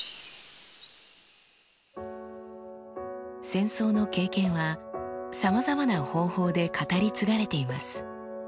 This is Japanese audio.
戦争の経験はさまざまな方法で語り継がれています。